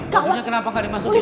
bajunya kenapa gak dimasukin